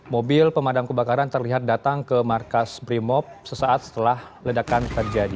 mobil pemadam kebakaran terlihat datang ke markas brimop sesaat setelah ledakan terjadi